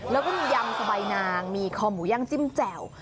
ยำสวายนางมีขอมูหย่างจิ้มแจ่ว